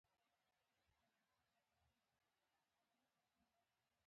• باران د موسمي بدلون پیلامه ده.